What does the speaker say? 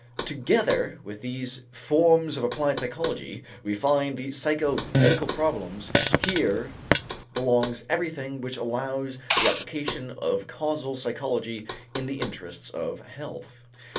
Together with these forms of applied psychology, we find the psychomedical problems; here belongs everything which allows the application of causal psychology in the interests of health.